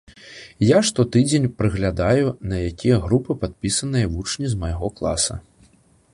Я штотыдзень праглядаю, на якія групы падпісаныя вучні з майго класа.